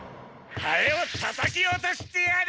ハエをたたき落としてやる！